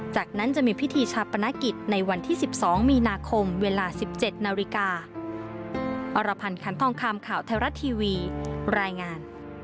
จากนั้นจะมีพิธีชาปนกิจในวันที่๑๒มีนาคมเวลา๑๗นาฬิกา